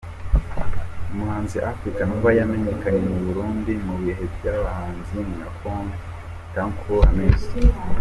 Umuhanzi Africa Nova yamenyekanye mu Burundi mu bihe by’abahanzi nka Canco Hamissi.